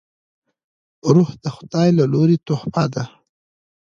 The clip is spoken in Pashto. روح د خداي له لورې تحفه ده